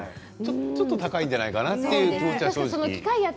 ちょっと高いんじゃないかなっていう気持ちがね。